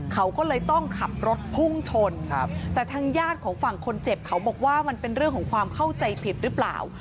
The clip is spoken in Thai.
เขาก็เลยต้องขับรถพุ่งชนแต่ทางญาติของฝั่งคนเจ็บเขาบอกว่ามันเป็นเรื่องของความเข้าใจผิดหรือเปล่า